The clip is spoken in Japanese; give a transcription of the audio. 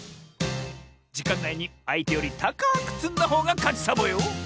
じかんないにあいてよりたかくつんだほうがかちサボよ！